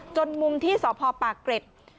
จนมุมที่สพปากเกร็ด